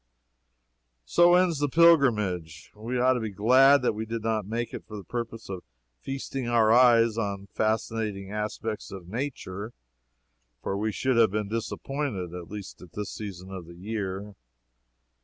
So ends the pilgrimage. We ought to be glad that we did not make it for the purpose of feasting our eyes upon fascinating aspects of nature, for we should have been disappointed at least at this season of the year.